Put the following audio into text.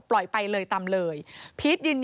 ปล่อยไปเลยตามเลย